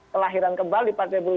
kelahiran kembali partai buruh